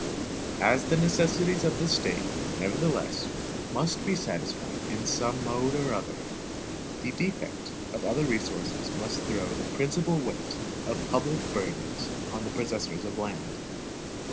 As the necessities of the State, nevertheless, must be satisfied in some mode or other, the defect of other resources must throw the principal weight of public burdens on the possessors of land.